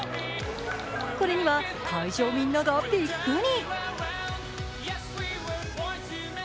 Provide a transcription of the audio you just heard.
これには会場みんながびっくり。